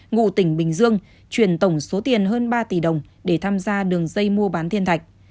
ngụ tỉnh bình dương chuyển tổng số tiền hơn ba tỷ đồng để tham gia đường dây mua bán thiên thạch